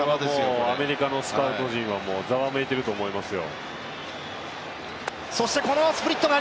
これはアメリカのスカウト陣はざわめいていると思いますよ。